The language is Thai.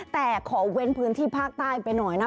แต่ขอเว้นพื้นที่ภาคใต้ไปหน่อยนะ